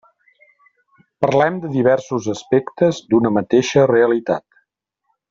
Parlem de diversos aspectes d'una mateixa realitat.